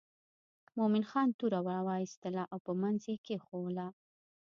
مومن خان توره را وایستله او په منځ یې کېښووله.